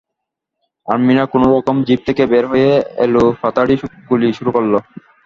আর্মিরা কোনো রকমে জিপ থেকে বের হয়ে এলোপাতাড়ি গুলি শুরু করল।